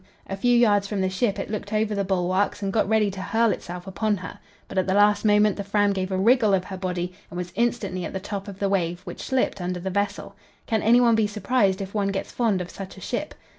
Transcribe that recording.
A few yards from the ship it looked over the bulwarks and got ready to hurl itself upon her. But at the last moment the Fram gave a wriggle of her body and was instantly at the top of the wave, which slipped under the vessel. Can anyone be surprised if one gets fond of such a ship?